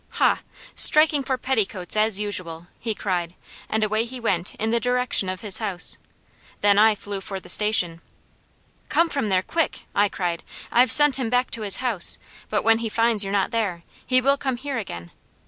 "Hah! striking for petticoats, as usual!" he cried, and away he went in the direction of his house. Then I flew for the Station. "Come from there, quick!" I cried. "I've sent him back to his house, but when he finds you're not there, he will come here again.